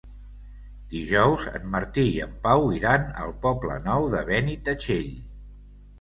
Dijous en Martí i en Pau iran al Poble Nou de Benitatxell.